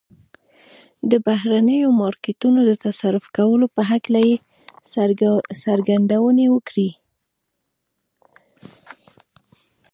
د بهرنيو مارکيټونو د تصرف کولو په هکله يې څرګندونې وکړې.